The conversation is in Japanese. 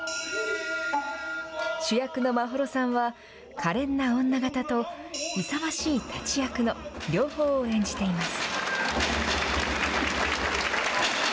主役の眞秀さんはかれんな女形と勇ましい立役の両方を演じています。